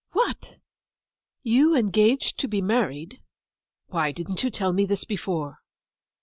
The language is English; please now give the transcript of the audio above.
'What!—you engaged to be married?—Why didn't you tell me this before?